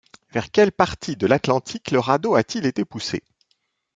Vers quelle partie de l’Atlantique le radeau a-t-il été poussé?